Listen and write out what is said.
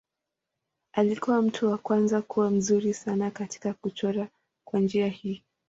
Alikuwa mtu wa kwanza kuwa mzuri sana katika kuchora kwa njia hii.